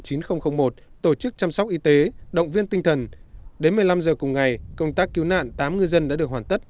tổ chức chăm sóc y tế động viên tinh thần đến một mươi năm giờ cùng ngày công tác cứu nạn tám ngư dân đã được hoàn tất